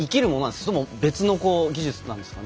それとも別の技術なんですか。